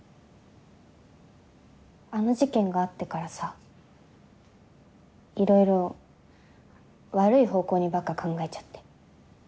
あの事件があってからさいろいろ悪い方向にばっか考えちゃって。